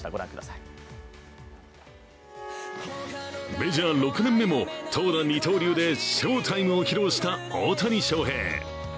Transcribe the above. メジャー６年目も投打二刀流で翔タイムを披露した大谷翔平。